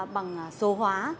bằng số hóa